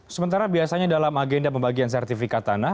sementara biasanya dalam agenda pembagian sertifikat tanah